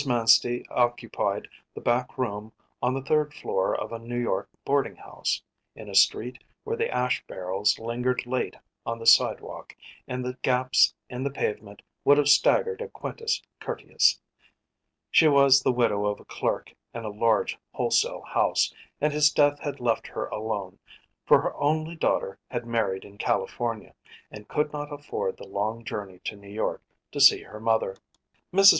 Manstey occupied the back room on the third floor of a New York boarding house, in a street where the ash barrels lingered late on the sidewalk and the gaps in the pavement would have staggered a Quintus Curtius. She was the widow of a clerk in a large wholesale house, and his death had left her alone, for her only daughter had married in California, and could not afford the long journey to New York to see her mother. Mrs.